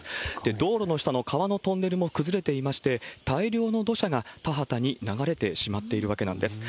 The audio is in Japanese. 道路の下の川のトンネルも崩れていまして、大量の土砂が田畑に流れてしまっているわけなんです。